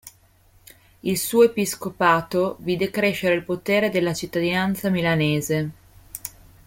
Il suo episcopato vide crescere il potere della cittadinanza milanese.